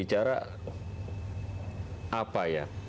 itu baru aku butuh